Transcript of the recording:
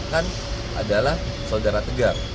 dan yang kita harapkan adalah saudara tegak